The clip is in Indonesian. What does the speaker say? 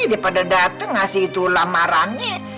daripada dateng ngasih itu lamarannya